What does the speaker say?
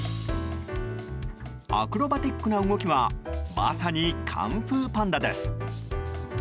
アクロバティックな動きはまさにカンフーパンダです。